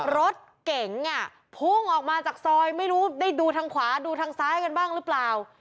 รถเก๋งพุ่งออกมาจากซอยไม่รู้ได้ดูทางขวาดูทางซ้ายกันบ้างหรือเปล่า